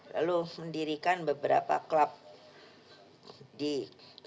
lalu mendirikan beberapa klub klub yang lainnya di medan